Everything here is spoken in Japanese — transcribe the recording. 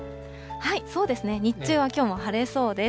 そうですね、日中はきょうも晴れそうです。